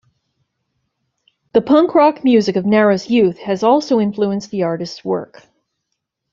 The punk rock music of Nara's youth has also influenced the artist's work.